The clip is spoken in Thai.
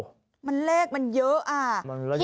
โอ้โหมันเลขมันเยอะอ่ะมันเลขยังไงดี